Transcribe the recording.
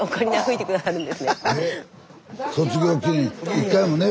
１回もね